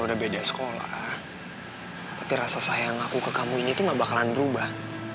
udah beda sekolah tapi rasa sayang aku ke kamu ini tuh gak bakalan berubah